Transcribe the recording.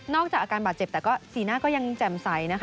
จากอาการบาดเจ็บแต่ก็สีหน้าก็ยังแจ่มใสนะคะ